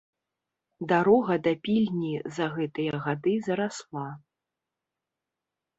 Дарога да пільні за гэтыя гады зарасла.